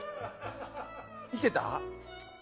いけた？